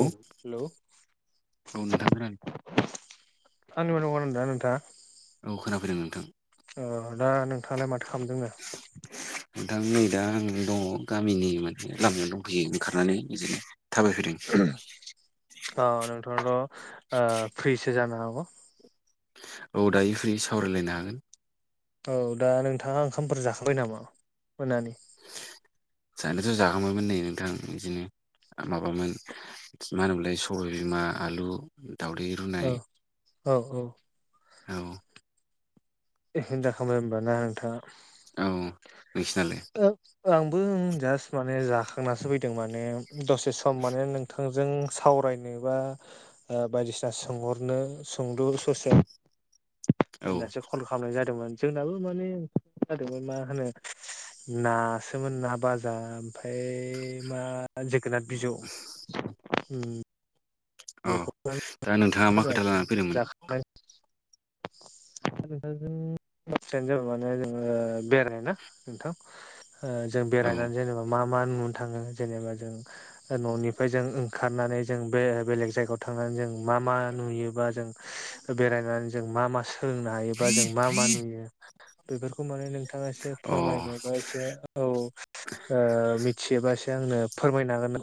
औ औ नोंथां [unintelligible] आंनिबा नङा न दा नोंथाङा अ खोना फैदों नोंथां। अ दा नोंथाङालाय माथो खालामदोंनो? नोंथां नै दा आं दङ गामिनि माने लामायाव दंफैयो ओंखारनानै बिदिनो। थाबायफैदों औ नोंथाङाथ' ओ फ्रिसो जानो हागौ। औ दायो फ्रि सावरायलायनो हागोन। औ दा नोंथाङा ओंखामफोर जाखांबाय नामा? मोनानि जानायाथ जागौमोन माने। गोबां बिदिनो माबामोन मा होनोमोलाय सबबायबिमा आलु दावदै औ रुनाय। औ औ। औ हिनजा खालामबाय होनबा ना नोंथाङा? औ नोंसोरनालाय? आंबो जास्ट माने जाखांनासो फैदों माने दसे सम माने नोंथांजों साव- रायनोबा बायदिसिना सोंहरनो सोंलु ससे औ होननासो कल खालामनाय जादोंमोन। जोंनाबो माने जादोंमोन मा होनो नासोमोन ना बाजा ओमफ्राय मा जोगोनाथ बिजौ। उम अ बेखौ दा नोंथाङा मा खोथा [unintelligible] लानानै फैदोंमोन जाख [unintelligible] दा नोंथांजों बाथ्रायानो जाबाय माने जोङो बेराय ना नोंथां। ओ जों औ बेरायनानै जेनेबा मा- मा नुनो थाङो जेनेबा जों न'निफ्राय जों ओंखारनानै जों बे बेलेग जायगायाव थांनानै जों मा मा नुयोबा जों [unintelligible] बेरायनानै जों मा मा सोलोंनो हायोबा जों मा मा नुयो बे माने नोंथाङा एसे अ फोरमायनो बा एसे औ ओ मिथियोबा एसे ए आंनो फोरमायनो होन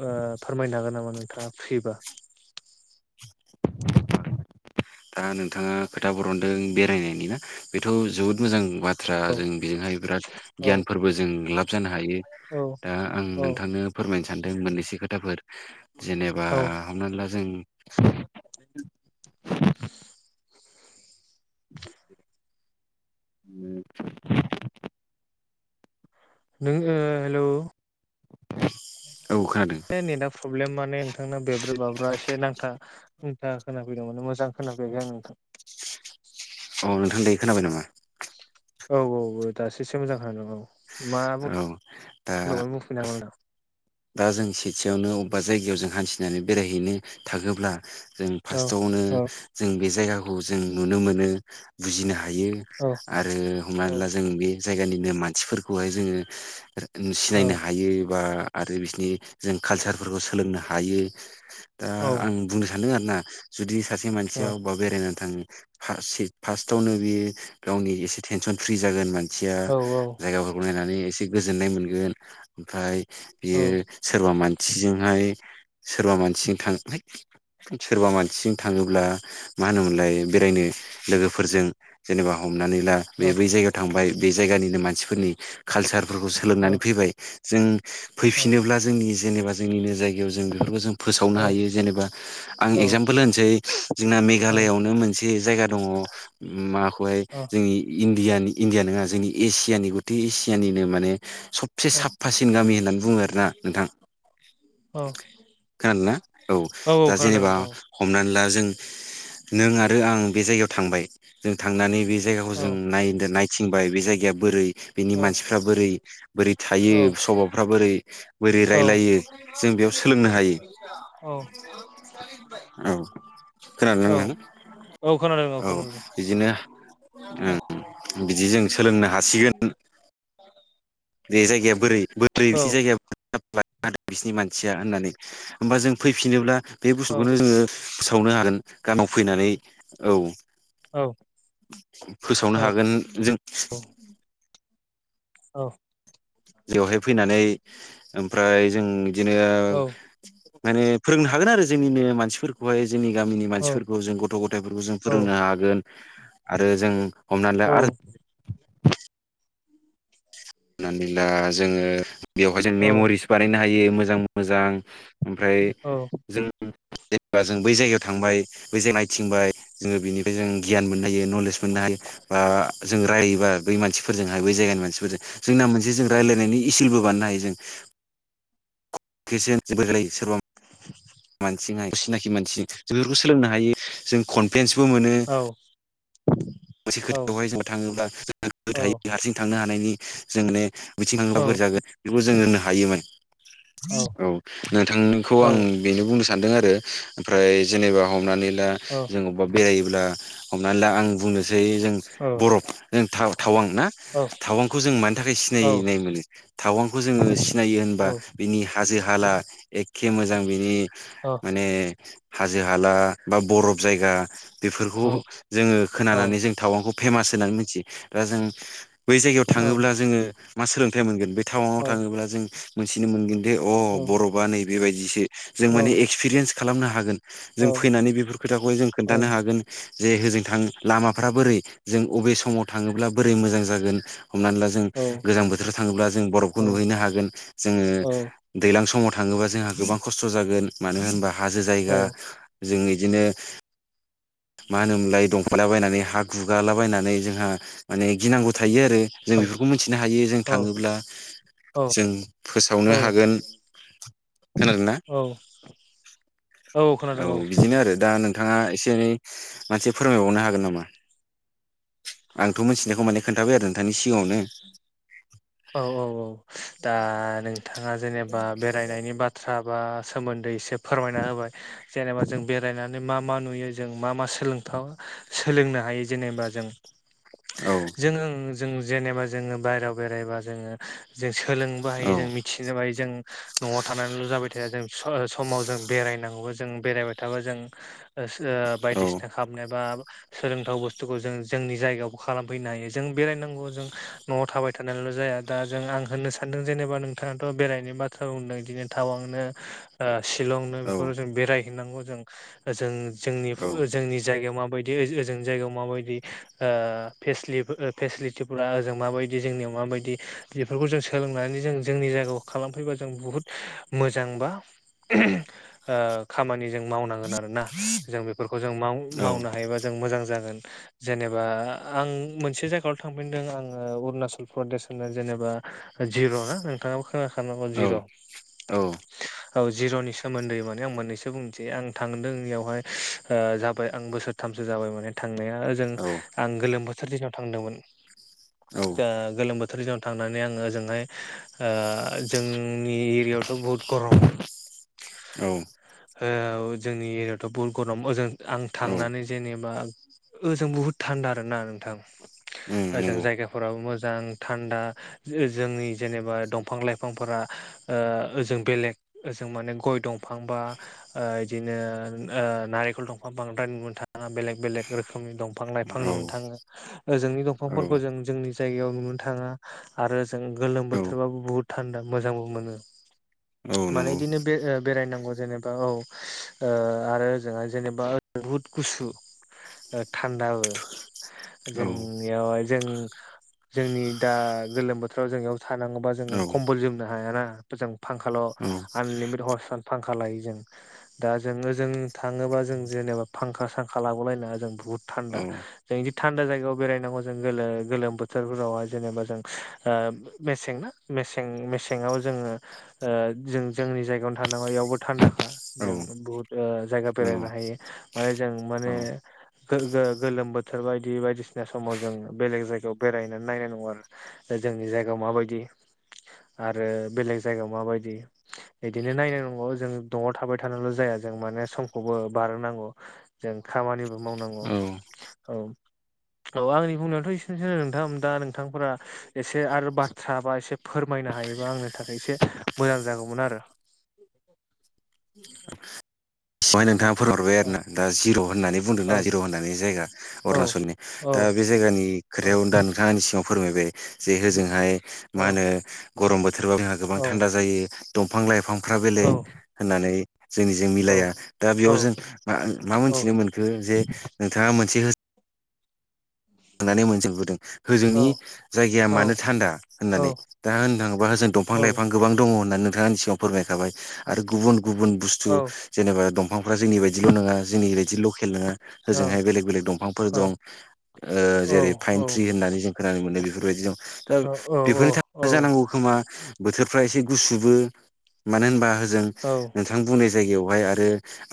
फोरमायनो हागोन नामा नोंथाङा फ्रिबा दा नोंथाङा खोथा बरनदों बेरायनायनि ना बेथ' जोबोद मोजां बाथ बाथ्रा औ जों बेजोंहाय बिराद औ गियानफोरबो जों लाब जानो हायो। औ दा आं औ नोंथांनो फोरमायनो सानदों मोननैसो खोथाफोर जेनेबा औ हमना ला जों [unintelligible] नों ओ हेलौ [unintelligible] एसे नेटा प्रब्लेम माने नोंथांना बेब्रे बाब्रा एसे नांथा था खोनाफैदोंमोनान मोजां खोनाफैयाखै आं नोंथां। अ नोंथां दै खोनाबाय नामा। औ औ औ दासोसो एसे मोजां खोनादों औ मा बु औ दा [unintelligible] दोंमोन बुफिनो दा जों सेथियावनो अबेबा जायगायाव जों हान्थिनानै बेरायहैनो थाङोब्ला जों नोंथां औ फार्स्टआवनो औ जों बे जायगाखौ जों नुनो मोनो बुजिनो हायो। औ थायो आरो औ हमनानै ला जों बे जायगानिनो मानसिफोरखौहाय जोङो औ सिनायनो हायो बा आरो बिसोरनि जों कालसारफोरखौ सोलोंनो हायो। दा औ आं बुंनो सानोदों आरोना जुदि सासे औ मानसिया वबा बेरायना ङ फार्स्टावनो बियो गावनि एसे तेनसन फ्रि जागोन मान थिया औ जायगाफोरखौ नायनानै एसे गोजोननाय मोनगोन ओमफ्राय बियो सोरबा मानसिजोंहाय सोरबा मानसिजों थां सोरबा मानसिजों थाङोब्ला मा होनोमोनलाय बेरायनो लोगोफोरजों जेनेबा हमनानै ला बे बै जायगायाव थांबाय। बे जायगानिनो मानसिफोरनि कालसारफोरखौ औ सोलोंनानै फैबाय जों फैफिनोब्ला जोंनि जेनेबा जोंनिनो जाय याव जों बेफोरखौ जों फोसावनो हायो जेनेबा आं एगजामपोल होनसै जोंना औ मेघालयआवनो मोन एसे जायगा दङ माबाखौहाय औ जोंनि इण्डियानि इण्डिया नङा जोंनि एसियानि गथै एसियानिनो माने सबसे साफफासिन गामि होननानै बुङो आरोना नोंथां औ खोनादोंना औ दा खोनादों जेनेबा नोंथां हमनानै ला जों नों आरो आं बे जायगायाव थांबाय जों थांनानै बे जायगाखौ औ जों नायदो नाय थिंबाय बे जायगाया बोरै बेनि औ मानसिफ्रा बोरै बोरै थायो औ सभाबफ्रा बोरै बोरै औ रायलायो जों बेयाव सोलोंनो हायो। औ खोनादों औ खोनादों औ औ खोनादोंना नोंथां। औ बिदिनो ओं बिदि जों सोलोंनो हासिगोन। बे जायगाया बोरै बोरै बिसे जायगाया [unintelligible] बिसिनि मानसिया होननानै होमबा जों फैफिनोब्ला बे बुस्थुखौनो जोङो फोसावनो हागोन गानाव फैनानै औ। फोसावनो हागोन जों औ जायगावहाय फैनानै ओमफ्राय जों बिदिनो माने फोरोंनो हागोन आरो जोंनिनो मानसिफोरखौहाय। जोंनि गामिनि मानसिफोरखौ जों गथ' गथाइफोरखौ जों फोरोंनो हागोन आरो जों हमनानै ला आरो होननानैब्ला जोङो बेवहाय जों मेमरिस बानायनो हायो मोजां मोजां ओमफ्राय जों जेनेबा जों बै जायगायाव थांबाय जों नायथिंबाय जोङो बेनिफ्राय जों गियान मोन नो हायो नलेज मोननो हायो बा जों रायोबा बै मानसिफोरजोंहाय बै जायगानि मानसिफोरजों जोंना मोनसे जों रायलायनायनि इसिलबो बानायनो हायो जों [unintelligible] [unintelligible] सोरबा मानसिनाय सिनाखि मानसि जों बेफोरखौ सोलोंनो हायो जों कनफेन्स बो मोनो मोनसे खोथायखौहाय जों थाङोब्ला [unintelligible] [unintelligible] हारसिं थांनो ह नायनि जों माने बिथिं थांब्ला बोरै जागोन बेखौ जों होननो हायो माने औ नोंथांखौ आं बेनो बुंनो सानदों आरो ओमफ्राय जेनेबा हमनानै ला जों अबेबा बेरायोब्ला हमनानै ला आं बुंनोसै जों औ बरफ नों था थावां ना थावांखौ जों मानि थाखाय सिनायनाय मोनो थावांखौ जोङो सिनायो होनबा बिनि हाजि हाला ए खे मोजां बिनि माने हाजो हाला बा बरफ जायगा बेफोरखौ जोङो खोनानानै जों टावउनखौ फेमास होननानै मिथियो दा जों बै जायगायाव थाङोब्ला जोङो मा सोलोंथाइ मोनगोन बे टाउंव थाङोब्ला जों मोन्थिनो मोनगोन दे अह बर'बा नै बेबायदिसो जों माने एक्सपिरियेन्स खालामनो हागोन। जों फैनानै बेफोर खोथाखौहाय जों खोन्थानो हागोन जे होजों थां लामाफ्रा बोरै जों अबे समाव थाङोब्ला बोरै मोजां जागोन हमनानै ला जों गोजां बोथोराव थाङोब्ला जों बरफखौ नुहैनो हागोन जोङो दैलां समाव थाङोबा जोंहा गोबां खस्थ' जागोन मानो होनबा हाजो जायगा जों इदिनो मा होनोमोनलाय दंफालाबायनानै हा गुगालाबायायनानै जोंहा माने ओ गिनांगौ थायो आरो जों बेफोरखौ मोनथिनो हायो जों थाङोब्ला जों फोसावनो हागोन खोनादों ना। औ बिदिनो आरो दा नों थाङा एसे एनै मानसे फोरमायबावनो हागोन नामा आंथ' मोनथिनायखौ माने खोन्थाबाय आरो नोंथांनि सिगाङावनो औ औ औ दा नोंथाङा जेनेबा बेरायनायनि बाथ्रा बा सोमोन्दै एसे फोरमायना होबाय जेनेबा जों बेरायनानै मा मा नुयो जों मा मा सोलोंथाव सोलोंनो हायो जेनेबा जों औ जोङो ओं जों जेनेबा जोङो बायहेरायाव बेरायबा जोङो जे सोलोंबो औ हायो जों मिथिनो बायो जों न'आव थानानैल' जाबाय थाया जों ओ स-समाव जों बेरायनांगौ जों बेरायबाय थाबा जों ओ ओ औ बायदिसिना खामनाय बा सोलोंथाव बुस्थुखौ जों जोंनि जायगायावबो खालामफैनो हायो जों बेरायनांगौ जों न'आव थाबाय थानायल' जाया दा जों आं होननो सानदों जेनेबा नोंथाङाथ' बेरायनो बाथ्रा बुंदों इदिनो टावांनो ओ शिलंनो औ बेफोराव जों बेरायहैनांगौ जों जों जोंनि औ ओ जोंनि जायगायाव माबायदि ओजों जायगायाव माबायदि ओ फेसिलि फेसिलिटिफोरा ओजों माबायदि बिदि जोंनियाव माबायदि। बेफोरखौ जों सोलोंनानै जों जोंनि जायगायाव खालामफैबा जों बुहुद मोजां बा [unintelligible] ओ खामानि जों मावनांगोन आरो ना जों बेफोरखौ जों माव औ मावनो हायोबा जों मोजां जागोन। जेनेबा आं मोनसे जायगायाव' थांफिनदों आङो अरुणाचल प्रदेश ओ जेनेबा जिर' ना नोंथाङाबो खोनाखानांगौ औ जिर' औ जिर'नि सोमोन्दै माने आं मोननैसो बुंसै आं थांदों इयावहाय जाबाय आं बोसोरथाम जाबाय माने था थांनाया ओजों आं गोलोम बोथोर दिनाव थांदोंमोन औ ओ गोलोम बो बथोराव थांनानै आङो ओजोंहाय ओ जों [unintelligible] जोंनि एरियायावथ' बहुत गरम। औ जोंनि एरियाायावथ' बहुत गरम ओजों आं औ थांनानै जेनेबा ओजों बुहुद थान्दा आरो ना नोंथां उम ओजों नंगौ जायगाफोराबो मोजां। थान्दा जोंनि जेनेबा दंफां लाइफांफोरा ओ ओजों बेलेग ओ जों माने गय दंफां बा ओ-ओदिनो ओ नारेंखल दंफां बांद्राय नुगोन थां ओ बेलेक बेलेक रोखोमनि दंफां लाइफां औ नुनो थाङो ओजोंनि औ दंफांफोरखौ जों जोंनि जायगायाव नुनो थाङा आरो जों गोलोम औ बोथोरबाबो बुहुत थान्दा मोजांबो मोनो। औ माने नंगौ एदिनो बे-बेराय नांगौ। जेनेबा औ ओ आरो ओजोंहाय जेनेबा बुहुद गुसु ओ थान्दाबो औ जोंनियावहाय जों जोंनि दा गोलोम बोथोराव जायगायाव थानांगौबा जोङो औ कम्बल जोमनो हायाना जों। फांखाल' औ आनलिमिटेड हरसान फांखा लायो जों दा जोङो ओजों थाङोबा जों जेनेबा फांखा सांखा लाबोलायनाङा जों बहुद थान्दा। जों इदि थान्दा जायगायाव बेरायनांगौ जों गोलो गोलोम बोथ थोरफोरावहाय जेनेबा जों ओ मेसें नासे मेसेङाव जोङो जों [unintelligible] जोंनि जायगायावनो थानाङौ बेयावबो थान्दाखा जों बुहुत जायगा नंगौ बेरायनो हायो माने जों माने गो-गो-गोलोम बोथोर बायदि बायदिसिना समाव जों बेलेग जायगायाव बेरायनानै नायनाय नांगौ आरो। दा जोंनि जायगायाव माबायदि आरो बेलेग जायगायाव माबायदि बिदिनो नानाय नांगौ जों न''आव थाबाय थानल' जाया। जों माने समखौबो बारनांगौ। जों खामानिबो मावनांगौ। औ औ औ औ आंनि बुंनायाथ' एसेनोसो नोंथां दा नोंथांफोरा एसे आरो बाथ्रा बा एसे फोरमायनो हायोबा आंनि थाखाय एसे मोजां जागौमोन आरो। माय नोंथाङा फोरमाय हरबाय आरो औ ना। दा जिर' होननानै बुंदोंना औ जिर' होननानै जायगा औ अरुणाचलनि औ दा बे जायगानि इ औ खोथायायाव उ दा नोंथांनि सिङाव फोरमायबाय जे हजोंहाय मा औ होनो गरम बोथोरबाबो जोंहा गोबां औ थान्दा जायो। दंफां लाइफांफ्रा औ बेलेग होननानै जोंनिजों मिलाया दा औ बेयाव जों मा औ मोनथिनो मोनखो जे नोंथाङा मोनसे होननानै मोनजेनबोदों। होजोंनि जायगाया औ मानो थान्दा होननानै दा होननो थाङोबा जों औ दंफां लाइफां गोबां दङ होननानै नोंथाङा आंसिगाङाव फोरमायखाबाय। आरो गुबुन गुबुन बुस्थु जेनेबा दं माफ्रा जोंनि बायदिल' नङा जोंनि बायदि लकेल नङा होजोंहाय बेलेग बेलेग दंफांफोर दं। ओ औ औ जेरै फाइन ट्रि होननानै जों खोनानो मोनो बेफोरबायदि दं दा औ बेफोरनि थाखाय जानांगौ खोमा। बोथोरफ्रा एसे गुसुबो मानो होनबा ओजों नोंथां बुंनाय जायगायावहाय आरो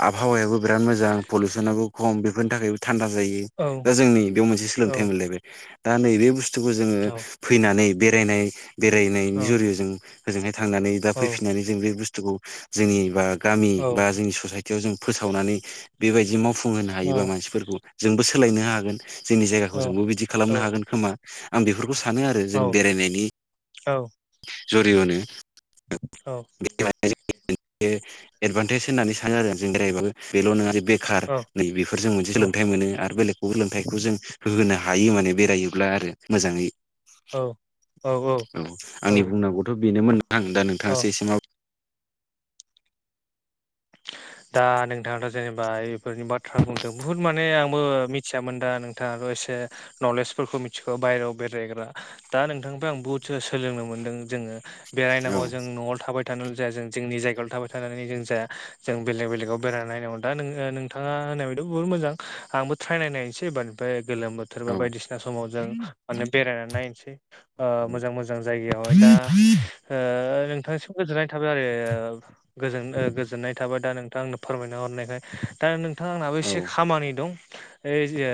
आबहावायाबो बिराद मोजां पलिुसनाबो खम बेफोरनि थाखाय थान्दा जायो। दा जोंनि बेव मोनसे सोलोंथाइ मोनलायबाय दा नैबे बुस थुखौ जोङो फैनानै बेरायनाय बेरायनायनि जरय' जों होजोंहाय। थांनानै बा औ फैफिननानै जों बे बुस्थुखौ जोंनि बा गामि औ बा जोंनि ससाइटियाव जों फोसावनानै बेबायदि मावफुंहोनो औ हायोबा मानसिफोरखौ जोंबो सोलायनो हागोन। जोंनि औ जायगाखौ जोंबो बिदि औ खालामनो हागोन खोमा? आं बेफोरखौ सानो आरो औ जों बेरायनायनि औ जरिअ'नो औ [unintelligible] एडभान्टेज होननानै सानो आरो जों बेरायबो बेल' नङा। बेखार औ नै बेफोर जों मोनसे सोलोंथाइ मोनो। आरो बेलेगखौ सोलोंथाइखौ जों होहोनो हायो। हायो माने बेरायोब्ला आरो मोजाङै। औ औ औ आंनि बुंनांगौथ' बेनोमोन आं दा नोंथाङासो एसे मा बु दा नोंथाङाथ' जेनेबा इफोरनि बाथ्रा बुंदों। बुहुत माने आंबो मिथियामोन दा नोंथाङा एसे नलेजफोरखौ मिथिखौ। बायहेरायाव बेरायग्रा दा नोंथांनिफ्राय आं बुहुद सोलोंनो मोनदों। जोङो औ बेरायनांगौ जों न'आव थाबाय थानानै जाया जों जोंनि जायगायाव थाबाय थानानै जों जाया। जों बेलेग बेलेगाव बेराय नायनांगौ दा नोंथाङा होननायायथ' बु मोजां आंबो ट्र नायनोसै एबार फाय गोलोम बोथोर बा बायदिसिना समाव जों मान बेरायनानै नायनोसै ओ मोजां मोजां मोजां जायगायावहाय दा ओ नोंथांनिसिम गोजोननाय थाबाय आरो ओ गोजोन गोजोननाय। थाबाय दा नोंथां आंनो फोरमायना हरनायखाय दा नोंथां आनाबो औ एसे खामानि दं ओ ओ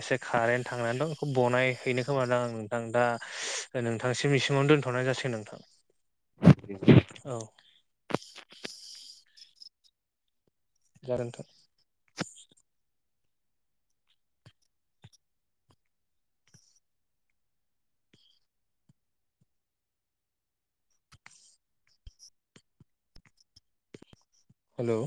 एसे खारेन थांनानै दं खौ बनाय हैनो खोमादां नोंथां दा [unintelligible] नोंथांसिम इसिमावनो दोनथ'नाय जासिगोन नोंथां औ औ जागोनथां हेल'